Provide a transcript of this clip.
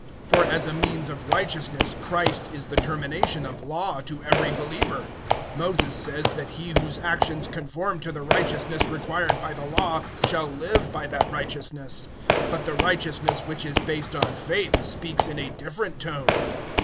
010:004 For as a means of righteousness Christ is the termination of Law to every believer. 010:005 Moses says that he whose actions conform to the righteousness required by the Law shall live by that righteousness. 010:006 But the righteousness which is based on faith speaks in a different tone.